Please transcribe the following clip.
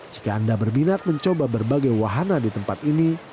jika anda berminat mencoba berbagai wahana di tempat ini